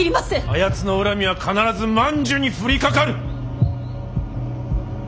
あやつの恨みは必ず万寿に降りかかる。